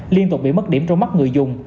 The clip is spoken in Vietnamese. liên tục bị mất điểm trong mắt người dùng